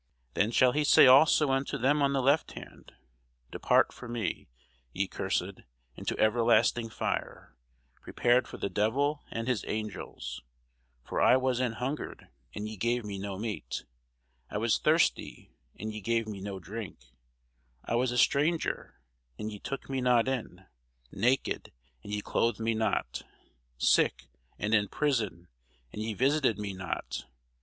Then shall he say also unto them on the left hand, Depart from me, ye cursed, into everlasting fire, prepared for the devil and his angels: for I was an hungred, and ye gave me no meat: I was thirsty, and ye gave me no drink: I was a stranger, and ye took me not in: naked, and ye clothed me not: sick, and in prison, and ye visited me not.